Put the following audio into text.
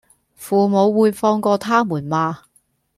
父母會放過他們嗎